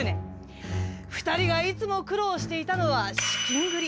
２人がいつも苦労していたのは資金繰り。